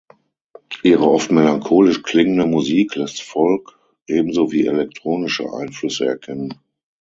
Ihre oft melancholisch klingende Musik lässt Folk, ebenso wie elektronische Einflüsse erkennen.